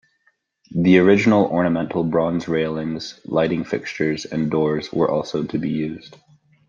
The original ornamental bronze railings, lighting fixtures, and doors were also to be used.